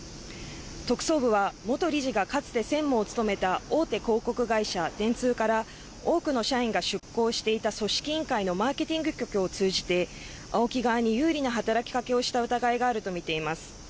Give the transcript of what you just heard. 特捜部は元理事がかつて専務を務めた大手広告会社、電通から多くの社員が出向していた組織委員会のマーケティング局を通じてＡＯＫＩ側に有利な働きかけをした疑いがあると見ています。